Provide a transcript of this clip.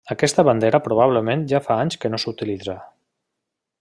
Aquesta bandera probablement ja fa anys que no s'utilitza.